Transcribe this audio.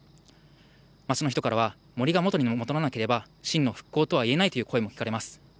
町の人からは森が元に戻らなければ、真の復興とはいえないという声も聞かれます。